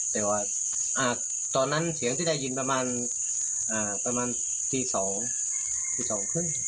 แต่ว่าอ่าตอนนั้นเสียงที่ได้ยินประมาณอ่าประมาณที่สองที่สองครึ่ง